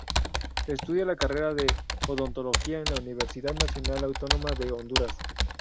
Estudia la Carrera de Odontología en la Universidad Nacional Autónoma de Honduras.